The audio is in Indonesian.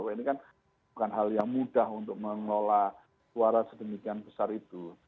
ini kan bukan hal yang mudah untuk mengelola suara sedemikian besar itu